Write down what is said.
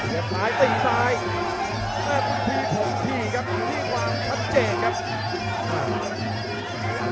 เสียบหลายตะหิซ้ายแม่พุทธที่ของที่ครับที่ความทับเจกครับ